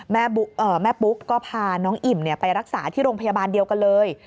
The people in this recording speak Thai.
แม่ปุ๊กก็พาน้องอิ่มไปรักษาที่โรงพยาบาลเดียวกันเลย